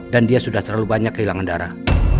dan dia sudah terlalu banyak kehilangan darah